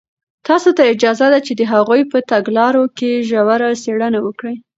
تاسو ته اجازه ده چې د هغوی په تګلارو کې ژوره څېړنه وکړئ.